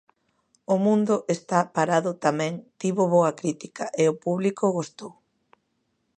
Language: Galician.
O mundo está parado tamén tivo boa crítica e o público gostou.